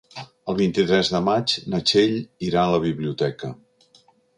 El vint-i-tres de maig na Txell irà a la biblioteca.